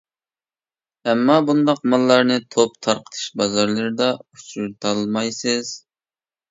ئەمما بۇنداق ماللارنى توپ تارقىتىش بازارلىرىدا ئۇچرىتالمايسىز.